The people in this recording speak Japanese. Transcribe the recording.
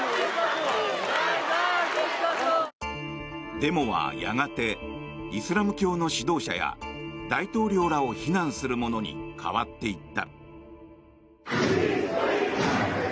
デモはやがてイスラム教の指導者や大統領らを非難するものに変わっていった。